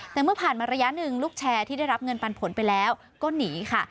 แต่เมื่อผ่านมาระยะหนึ่งลูกแชร์ที่ได้รับเงินปันผลไปแล้วก็หนีค่ะ